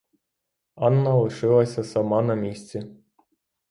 Анна лишилася сама на місці.